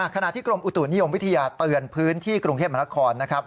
ขณะที่กรมอุตุนิยมวิทยาเตือนพื้นที่กรุงเทพมหานครนะครับ